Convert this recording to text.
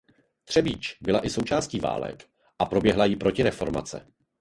Třebíč byla i součástí válek a proběhla jí protireformace.